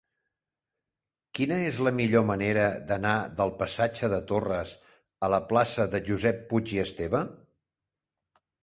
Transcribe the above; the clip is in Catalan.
Quina és la millor manera d'anar del passatge de Torres a la plaça de Josep Puig i Esteve?